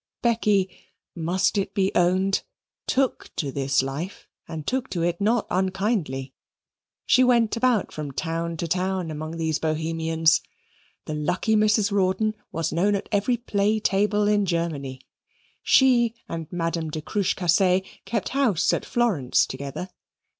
Becky must it be owned? took to this life, and took to it not unkindly. She went about from town to town among these Bohemians. The lucky Mrs. Rawdon was known at every play table in Germany. She and Madame de Cruchecassee kept house at Florence together.